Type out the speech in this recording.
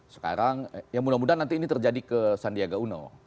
sekarang ya mudah mudahan nanti ini terjadi ke sandiaga uno